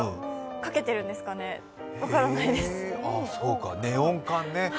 かけてるんですかね、分からないです。